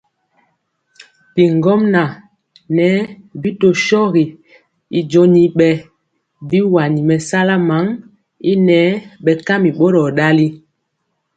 Bigɔmŋa ŋɛɛ bi tɔ shogi y joni bɛ biwani mɛsala man y nɛɛ bɛkami boror ndali.